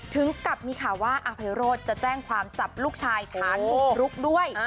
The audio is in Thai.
ถึงกับมีข่าวว่าอภัยโรธจะแจ้งความจับลูกชายฐานบุกรุกด้วย